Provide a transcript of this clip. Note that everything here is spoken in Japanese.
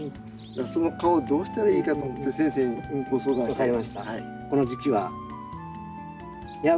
その蚊をどうしたらいいかと思って先生にご相談したいなと。